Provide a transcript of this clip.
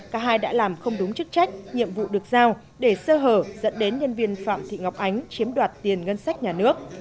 cả hai đã làm không đúng chức trách nhiệm vụ được giao để sơ hở dẫn đến nhân viên phạm thị ngọc ánh chiếm đoạt tiền ngân sách nhà nước